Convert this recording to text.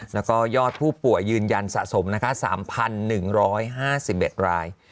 แล้วก็ยอดผู้ป่วยยืนยันสะสมนะคะ๓๑๕๑ราย